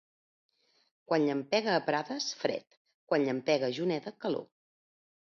Quan llampega a Prades, fred; quan llampega a Juneda, calor.